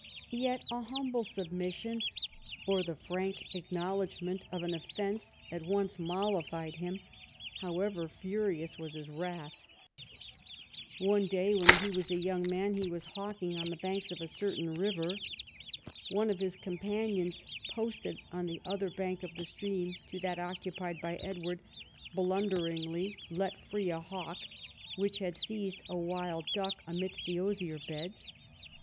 Yet a humble submission or the frank acknowledgment of an offence at once mollified him, however furious was his wrath. One day when he Avas a young man he was hawking on the banks of a certain river. One of his companions, posted on the other bank of the stream to that occupied by Edward, blunderingly let free a hawk, which had seized a wild duck amidst the osier beds.